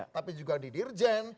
tapi juga di dirjen